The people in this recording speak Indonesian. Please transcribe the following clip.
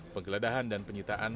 penggeledahan dan penyitaan